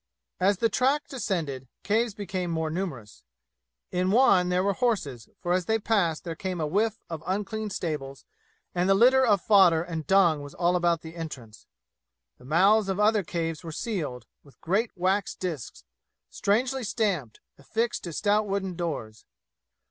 As the track descended caves became more numerous. In one there were horses, for as they passed there came a whiff of unclean stables, and the litter of fodder and dung was all about the entrance. The mouths of other caves were sealed, with great wax disks, strangely stamped, affixed to stout wooden doors.